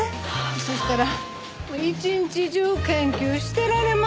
そしたら一日中研究してられますのに。